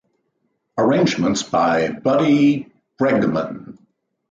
Arrangements by Buddy Bregman.